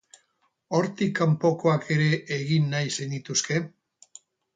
Hortik kanpokoak ere egin nahi zenituzke?